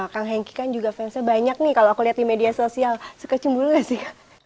kang henky kan juga fansnya banyak nih kalau aku lihat di media sosial suka cemburu gak sih